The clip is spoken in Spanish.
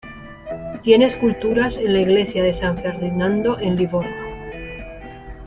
Tiene esculturas en la Iglesia de San Ferdinando en Livorno